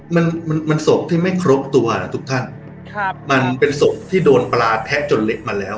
มันมันศพที่ไม่ครบตัวนะทุกท่านครับมันเป็นศพที่โดนปลาแทะจนเล็กมาแล้ว